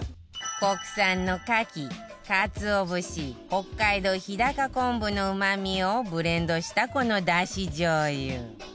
国産の牡蠣かつお節北海道日高昆布のうま味をブレンドしたこのだし醤油